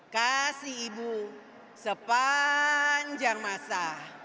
kasih ibu sepanjang masa